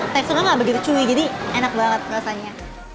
teksturnya enggak begitu chewy jadi enak banget rasanya